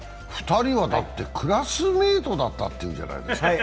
２人はだってクラスメートだったっていうじゃない。